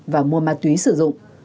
và mua ma túy sử dụng